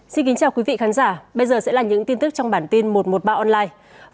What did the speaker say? xin kính chào quý vị khán giả bây giờ sẽ là những tin tức trong bản tin một trăm một mươi ba online